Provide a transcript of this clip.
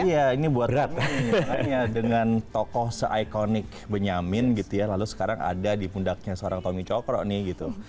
iya ini buat rat misalnya dengan tokoh se ikonik benyamin gitu ya lalu sekarang ada di pundaknya seorang tommy cokro nih gitu